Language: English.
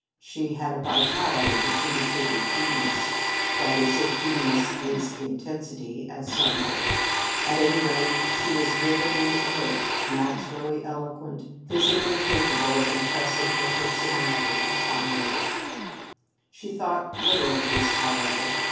She had a vitality which indicated genius that is, if genius is intensity, as some hold. At any rate, she was vividly alert, naturally eloquent, physically capable of impressing her personality upon others. She thought little of this, however.